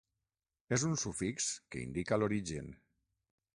És un sufix que indica l'origen.